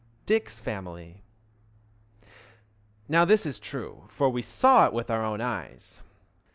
DICK'S FAMILY Now this is true, for we saw it with our eyes.